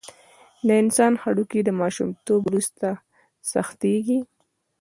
د انسان هډوکي د ماشومتوب وروسته سختېږي.